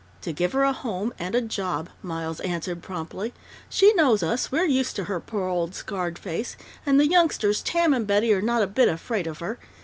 "To give her a home and a job," Miles answered promptly. "She knows us, we're used to her poor old scarred face, and the youngsters, Tam and Betty, are not a bit afraid of her.